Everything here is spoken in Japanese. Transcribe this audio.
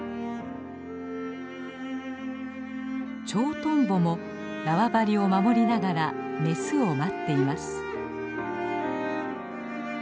チョウトンボも縄張りを守りながらメスを待っています。